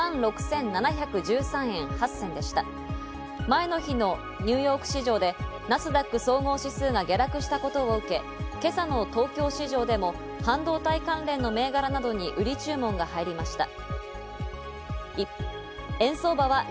前の日のニューヨーク市場でナスダック総合指数が下落したことを受け、今朝の東京市場でも半導体関連の銘柄などに売り注文が入りました。